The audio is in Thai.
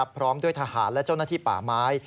พร้อมด้วยทหารและเจ้าหน้าที่ป่าไม้